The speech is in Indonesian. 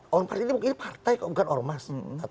oh ormas ini partai kok bukan ormas